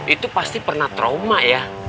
itu pasti pernah trauma ya